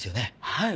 はい。